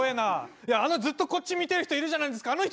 あのずっとこっち見てる人いるじゃないですか。